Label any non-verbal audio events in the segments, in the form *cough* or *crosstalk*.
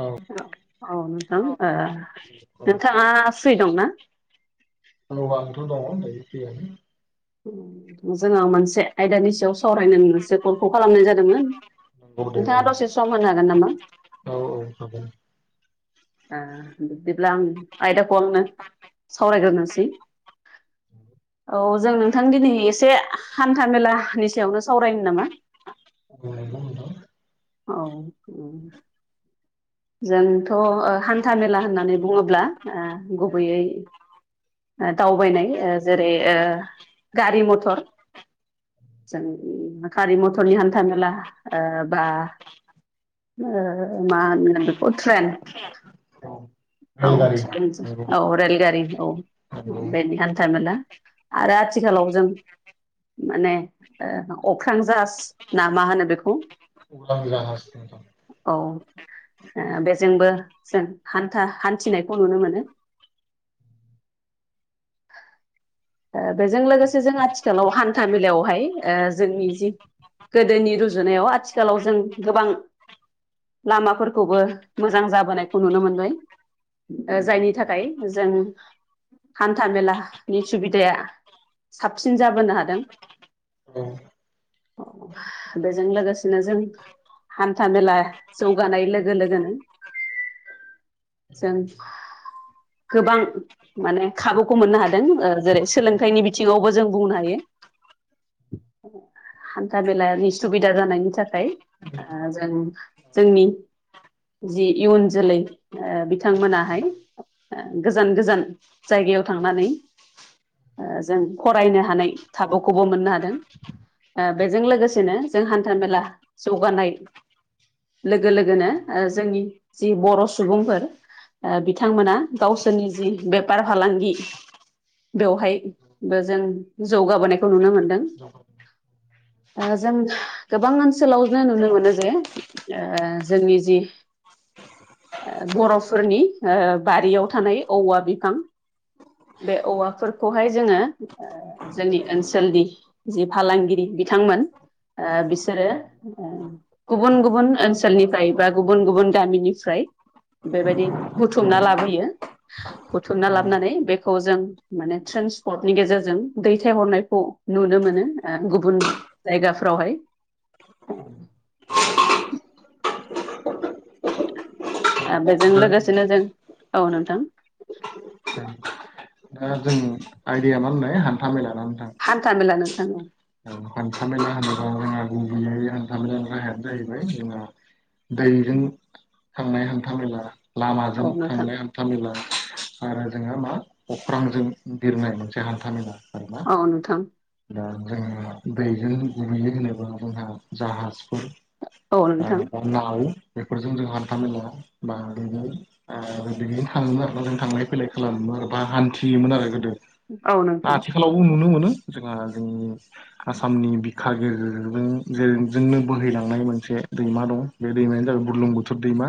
औ औ नोंथां ओ नोंथाङा फ्रि दंना औ आंथ दङ दायो फ्रियानो जोंङो मोनसे आयदानि सायाव सावरायनो मोनसो खलखौ खालामनाय जादोंमोन नंगौ दे औ नोंथाङा दसे सम होनो हागोन नामा? औ हागोन ओ बिदिब्ला आंनि आयदाखौ आंनो सावरायग्रोनोसै औ जों नोंथां दिनै एसे हान्था मेलानि सायावनो सावरायनो नामा *unintelligible* औ जोंथ हान्था मेला होननानै बुङोब्ला गुबैयै दावबायनाय ओ जेरै ओ गारि मथर जों गारि मथरनि हान्था मेला ओ बा ओ मा होनो बेखौ ट्रेन औ औ रेलगारि ट्रेन नंगौ औ रेलगारि औ नंगौ बेनि हान्था मेला आरो आथिखालाव जों माने ओ अख्रां जाहाज नामा होनो बेखौ *unintelligible* *unintelligible* ओ बेजोंबो जों हान्था हान्थिनायखौ नुनो मोनो ओ बेजों लोगोसे जों आथिखालाव हान्था मेलायावहाय ओ जोंनि जि गोदोनि रुजुनायाव आथिखालाव जों गोबां लामाफोरखौबो मोजां जाबोनायखौ नुनो मोनबाय जायनि थाखाय जों हान्था मेलानि सुबिदाया साबसिन जाबोनो हादों बेजों लोगोसेनो जों हान्था मेला जौगानाय लोगो लोगोनो जों गोबां माने खाबुखौ मोननो हादों ओ जेरै सोलोंथाइनि बिथिङावबो जों बुंनो हायो हान्था मेलानि सुबिदा जानायनि थाखाय ओ जों जोंनि जि इयुन जोलै ओ बिथांमोनाहाय ओ गोजान गोजान जायगायाव थांनानै ओ जों फरायनो हानाय खाबुखौबो मोननो हादों ओ बेजों लोगोसेनो जों हान्था मेला जौगानाय लोगो लोगोनो ओ जोंनि जि बर' सुबुंफोर ओ बिथांमोना गावसोरनि जि बेपार फालांगि बेवहायबो जों जौगाबोनायखौ नुनो मोनदों। ओ जों गोबां ओनसोलावनो नुनो मोनो जे ओ जोंनि जि ओ बर'फोरनि बारियाव थानाय औवा बिफां। बे औवाफोरखौहाय जोङो जोंनि ओनसोलनि जि फालांगिरि बिथांमोन ओ बिसोरो गुबुन गुबुन ओनसोलनिफ्राय बा गुबुन गुबुन गामिनिफ्राय बेबायदि बुथुमना लाबोयो बुथुमना लाबोनानै बेखौ जों माने ट्रेन्सपर्टनि गेजेरजों दैथायहरनायखौ नुनो मोनो ओ जायगाफ्रावहाय बेजों औ लोगोसेनो जों औ नोंथां दा जोंनि आयदाया मा होननाय हान्था मेला ना नोंथां हान्था मेला नोंथां औ। हान्थामेला होनोबा जोंहा गुबैयै हान्थामेलानि राहायानो जाहैबाय जोंहा दैजों थांनाय हान्था मेला लामाजों औ नोंथां थांनाय हान था मेला आरो जोंहा मा अख्रांजों बिरनाय मोनसे हान्थामेला आरो अ नोंथां। दा जोङो दैजों *unintelligible* होनोबा जोंहा जाहाजफोर औ नोंथां बा नाव बेफोरजों जों हान्था मेलाया बा बेनि आ बिजोंनो थाङोमोन आरोना जों थांलाय फैलाय खालामोमोन आरो बा हान्थियोमोन आरो गोदो। औ नोंथां। *unintelligible* नुनो मोनो जोंहा जोंनि आसामनि बिखा गेजेरजों गेजेरजोंनो बोहैलांनाय मोनसे दैमा दं। बे दैमायानो जाबाय बुरलुंबुथुर दैमा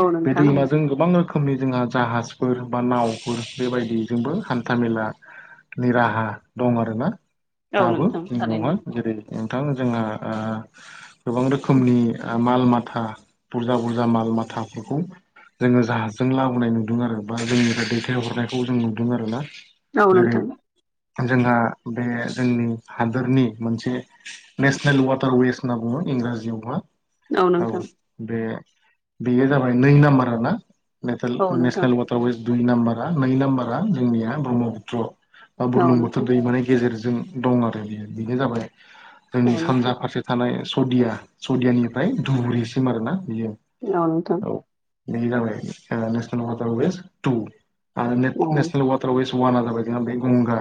औ बे नोंथां दैमा जों गोबां रोखोमनि जोंहा जाहाजफोर बा नावफोर बेबायदिजोंबो हान्थामेला नि राहा दं आरो ना। औ नोंथां। दङ थारैनो जेरै नोंथां जोंहा आ गोबां रोखोमनि माल माथा बुरजा बुरजा माल माथाफोरखौ जोङो जाहाजजों लाबोनाय नुदों आरो बा जोंनिफ्राय दैथायहरनायखौ जों नुदों आरोना। औ जेरै नोंथां जोंहा बे जोंनि हादोरनि मोनसे नेसनेल वाटार वेस होनना बुङो इंराजियावहा। औ बे बेयो जाबाय नै नाम्बार ना औ *unintelligible* नोंथां नेसनेल वा टार वेस दुइ नाम्बारा नै नाम्बारा जोंनिया ब्रह्मपुत्र। बा औ बुरलुंबुथुर नोंथां दैमानि गेजेरजों दं आरो बेयो बेनो जाबाय औ जोंनि नोंथां सानजा फारसे थानाय सदिया सदियानिफ्राय धुबुरिसिम आरोना बियो। औ नोंथां। बेयो जाबाय ओ नेसनेल वाटार वेस तु आरो नेत औ नेसनेल वा *unintelligible* वानआ जाबाय जोंहा बे गंगा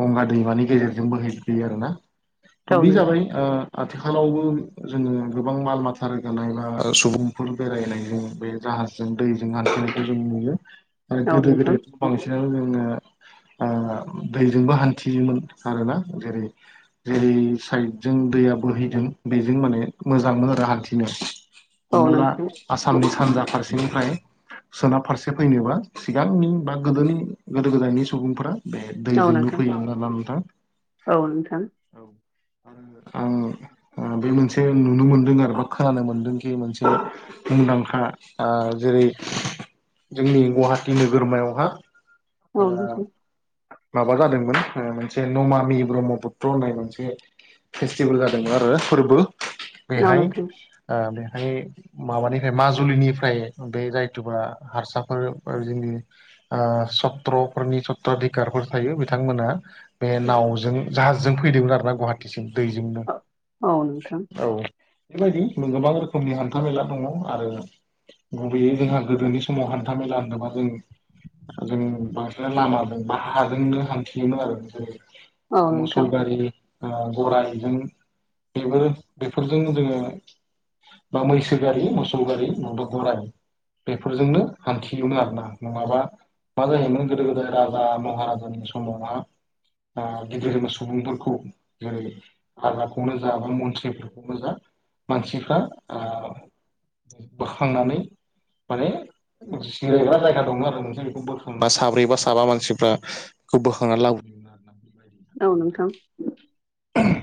गंगा दैमानि गेजेरजों बोहैफैयो आरोना। थ औ बि जाबाय नोंथां आ आथिखालावबो जोङो गोबां माल माथा रोगानाय बा सुबुंफोर बेरायनायजों बे जाहाज जों दैजों हान्थिनायखौ जों नुयो। आरो औ गोदो नोंथां गोदायथ' बांसिनानो जोङो आ दैजोंबो हान्थियोमोन। *unintelligible* जेरै जेरै साइद जों दैया बोहैदों बेजों माने मोजांमोन आरो हान्थिनो। *inaudible* हमना ला आसामनि सानजा फारसेनिफ्राय सोनाब फारसे फैनोबा सिगांनि बा गोदोनि गोदो गोदायनि सुबुंफोरा बे दैजोंनो फैयोमोन आरोना नोंथां। औ नोंथां। औ आरो आं बे मोनसे नुनो मोनदों आरो बा खोनानो मोनदोंखि मोनसे मुंदांखा जेरै जोंनि गुवाहाटि नोगोरमायावहा आ औ नोंथां माबा जादोंमोन ओ मोनसे नमामि ब्रह्मपुत्र होननाय मोनसे फेस्टिभेल जादोंमोन आरो फोरबो। औ बेहाय नोंथां ओ बेहाय माबानिफ्राय माजुलिनिफ्राय बे जायथुबा हारसाफोर जोंनि ओ सत्रफोरनि सत्रधिकारफोर थायो बिथांमोना बे नावजों जाहाजजों फैदोंमोन आरो ना गुवाहा टिसिम दैजोंनो औ नोंथां औ। बेबायदि गोबां रोखोमनि हान्था मेला दङ आरो गुबैयै जोंहा गोदोनि समाव हान्था मेला होनोबा जों जों बांसिना लामाजों बा हाजोंनो हान्थियोमोन आरो। *unintelligible* औ उनाव म नोंथां मसलबारि ओ गराइजों बेबो बेफोरजों जोङो, बा मैसो गारि, मोसौ गारि नङाबा गराय बेफोरजोंनो हान्थियोमोन आरो ना। नङाबा मा जाहैमोन गोदो-गोदाय राजा-महाराजानि समावहा, बा गिदिर सुबुंफोरखौ जेरै, हाग्राखौनो जा, बा मन्त्रिफोरखौनो जा, मानसिफ्रा बोखांनानै माने *unintelligible* जायगा दं आरो नोंसोर बेखौ बबा साब्रैबा साबा मानसिफ्रा खौ बोखांनानै लाबोदोंमोन आरो *unintelligible* औ नोंथां।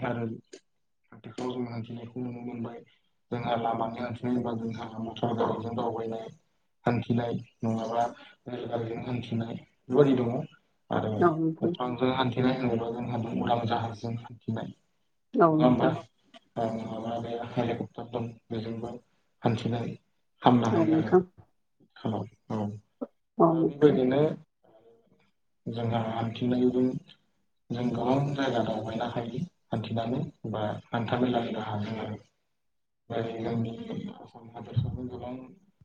आरो आथिखालाव *unintelligible* नुनो मोनबाय जोंहा लामानि अनसनाय होनबा जोंहाहा मटर गारिजों दावबायनाय हान्थिनाय नङाबा, रेल गारिजों हान्थिनाय बेबायाददि दङ। आरो औ नोंथां अफ्रांजों हान्थिनाय हों उरां जाहाजजों हान्थिनाय, औ नङा नोंथां होमबा? माब बे हेलिकप्टार दं बेजोंबो हान्थिनानै हामनो औ हायो नोंथां आरो औ, औ दा बेबायदिनो जोंहा हान्थिननायजों जों गोबां जायगा दावबायनो हायो। हान्थिनानै बा हान्थामेलानि राहाजो माद *unintelligible*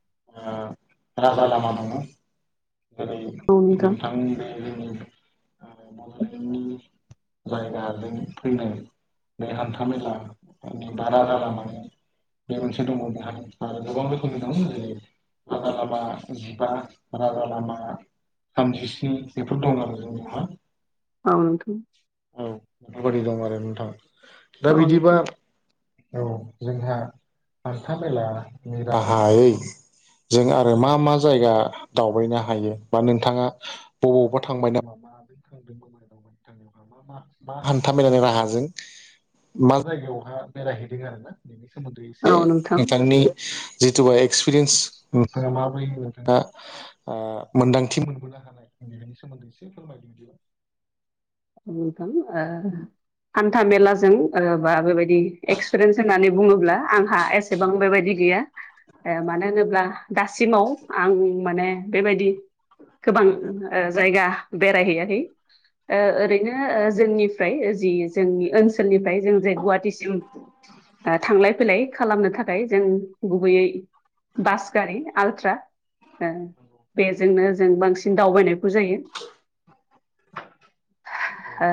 ओ राजा लामा दङ। जेरै - नोंथां बा जोंनि *unintelligible* फैनो, बे हान्थामेला, बा राजालानि बे मोनसे दङ। बे आरो गोबां रोखोमनि दङ जेरै- राजा लामा जिबा राजा लामा थामजिस्नि बेफोर दं आरो जोंनियावहा उव नोंथां औ बेबादि दं आरो नोंथाङा। दा औ बिदिबा औ जोंहा हान्था मेला नि राहायै, जों आरो मा मा जायगा दावबायनो हायो बा नोंथाङा बबावबा थांबाय नामा मा दैखां थांनाय मा मा मा हान्था मेलाायनि राहाजों मा जायगायावहा बेरायहैदों आरो ना? बेनि सोमोन्दै नोंथां एसे औ नोंथां नोंथांनि जितुबा एक्सपिरियेन्स नोंथाङा माबोरै नोंथाङा ओ मोन्दांथि मोनबोनो हानायनि बेनि सोमोन्दै एसे फोरमाय *unintelligible* औ नोंथां ओ आन्था मेलाजों ओ बा बेबायदि एक्सपिरियेन्स होननानै बुङोब्ला आंहा एस एसेबां नंगौ बेबायदि गैया ओ मानो होनोब्ला दासिमाव आं माने बेबायदि गोबां ओ जायगा बेरायहैयाखै, ओ ओरैनो जोंनिफ्राय जि जोंनि ओनसोलनिफ्राय जों जे गुवाहाटिसिम थांलाय - फैलाय, खालामनो थाखाय जों गुबैयै बास गारि, आलट्रा ओ बेजोंनो जों बांसिन दावबायनायखौ जायो। ओ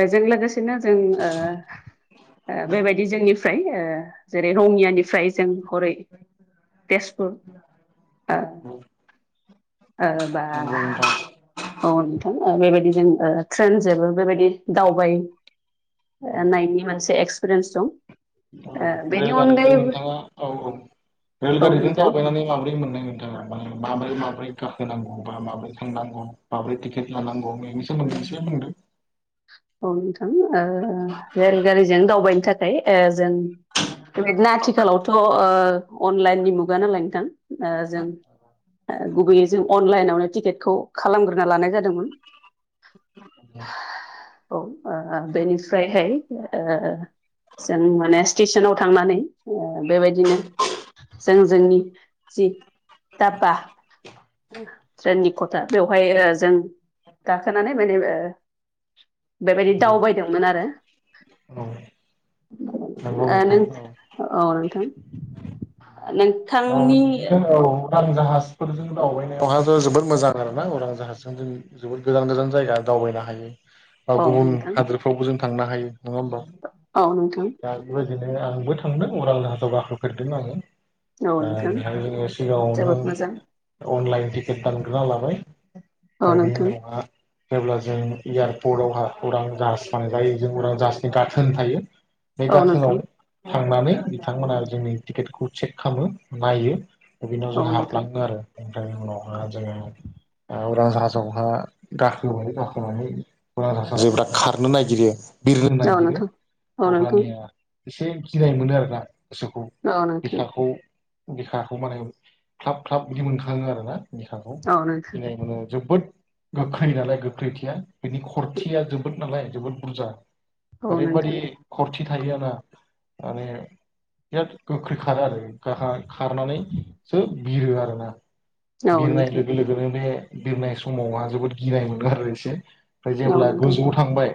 बेजों लोगोसेनो जों ओ - ओ बेबायदि जोंनि फ्राय ओ जेेरै- रङियानिफ्राय जों हरै तेजपुर, ओ ओ बा नोंथां औ नोंथां, बेबायदि जों ओ ट्रेन जोंबो बेबायदि दावबाय औ। नायनि मोनसे एक्सपिरियेन्स दं। औ बेनि रेलगारिजों अनगायैबो नोंथाङा औ औ औ रेलगारिजों नोंथां दावबायनानै माबोरै मोननाय मोनो? माबोरै माबोरै गाखोनांगौ बा माबोरै थांनांगौ माबोरै टिकेट लानांगौ बेनि सो *unintelligible* बुदों औ नोंथां ओ रेलगारिजों दावबायनो थाखाय ओ जों बेबायदिनो आथिखालावथ' ओ अनलाइननि मुगा नालाय नोंथां ओ जों ओ गुबैयै जों अनलाइनावनो टिकेटखौ खालामग्रोना लानाय जादोंमोन। *inaudible* औ ओ बेनिफ्रायहाय ओ जों माने स्टेसनाव थांनानै ओ बेबायदिनो जों जोंनि जि दाबा ट्रेननि कता बेवहाय ओ जों गाखोनानै *unintelligible* बेबायदि दावबायदोंमोन आरो औ नंगौ ओ नोंथां औ नोंथा औ नोंथां नों दा बिदिनो औ उरां जाहाजफोरजों दावबायनायावहाथ' जोबोद मोजां आरो ना उरां जाहाजों जों जोबोद गोजान गोजान जायगा दावबायनो हायो बा औ गुबुन नोंथां हादोरफ्रावबो जों थांनो हायो नङा होमबा औ नोंथां दा बेबायदिनो आंबो थांदों अरां जाहासाव गाखोफेरदों नालाय औ नोंथां बेहाय जोङो जोबोद मोजां सिगाङावनो अनलाइन टिकेट दानग्रोना लाबाय औ *unintelligible* बेनि नोंथां उनावहा जेब्ला जों एयारपर्टवहा उरां जास थांजायो जों उरां जाहासनि गाथोन थायो बे औ नोंथां गाथोनाव थांनानै बिथांमोना जोंनि टिकेटखौ चेक खालामो नायो। *unintelligible* औ जोंआ नोंथां हाबलाङो आरो बेनिफ्रायनो उनावहा जोङो ओ उरां जाहाजावहा गाखोबाय गाखोनानै *unintelligible* जेब्ला खारनो नागिरो बिरनो औ नागिरो नोंथां औ नोंथां अब्लानिया एसे गिनाय मोनो आरोना गोसोखौ औ बिखाखौ बिखाखौ माने ख्लाब ख्लाब बिदि मोनखाङो आरो ना बिखाखौ नोंथां गिनाय मोनो। जोबोद गोखै् नालाय गोख्रैथिया बिनि खरथिया जोबोद नालाय जोबोद बुरजा औ ओरैबादि नोंथां खरथि थायो *inaudible* माने बिराद गोख्रैखारो आरो गाहाय खारनानैसो बिरो आरोना। औ बिरनाय नोंथां लोगो लोगो नो बे बिरनाय समावहा जोबोद गिनाय मोनो आरो एसे। ओमफ्राय औ जेब्ला नोंथां गोजौआव थांबाय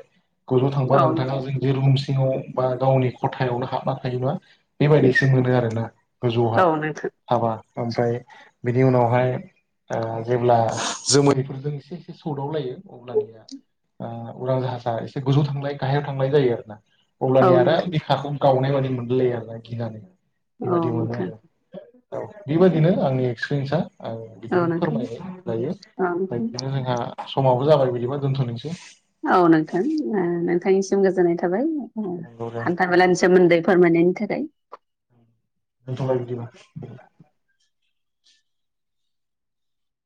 गोजौआव थांबा औ नोंथां औ नोंथाङा जोंदि रुम सिङाव बा गावनि खथायावनो हाबना थायो बा बेबायदिसो मोनो आरोना गोजौहा। नोंथां हाबा ओमफ्राय बिनि उनावहाय ओ जेब्ला जोमोरैफोरजों एसे एसे सौदाव लायो अब्लानिया ओ उरां जाहाजा एसे गोजौ थांलाय गाहायाव थांलाय जायो आरोना। औ अब्लानि आरो नोंथां औ नोंथां औ नोंथां बे हाखौ गावनाय बादि मोनललाय आरोना गिनानै। अ नोंथां। ओ औ बेबायदिनो आंनि एक्सपिरियेन्सा आं बिदिन फोरमाय लायो औ नोंथां औ नोंथां बेबायदिनो जोंहा समाबो जाबाय बिदिबा दोनथ'नोसै औ नोंथां ओ नोंथांनिसिम गोजोननाय थाबाय उम नंगौ दे हान्था मेलानि सोमोन्दै फोरमायनायनि थाखाय दोनथ'बाय बिदिबा